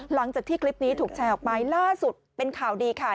หลังจากที่คลิปนี้ถูกแชร์ออกไปล่าสุดเป็นข่าวดีค่ะ